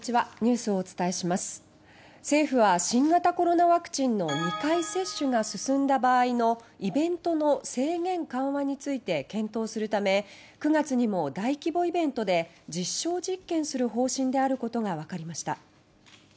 政府は、新型コロナワクチンの２回接種が進んだ場合のイベントなどの制限緩和について検討するため９月にも大規模イベントで実証実験する方針であることがわかりました。